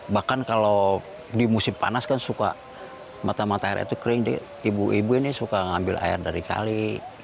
bahkan kalau di musim panas kan suka mata mata air itu kering ibu ibu ini suka ngambil air dari kali